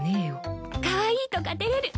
かわいいとか照れる。